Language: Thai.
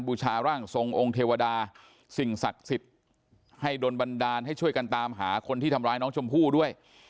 บูชาร่างทรงองค์เทวดาสิ่งศักดิ์สิทธิ์ให้โดนบันดาลให้ช่วยกันตามหาคนที่ทำร้ายน้องชมพู่ด้วย